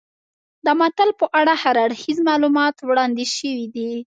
د متل په اړه هر اړخیز معلومات وړاندې شوي دي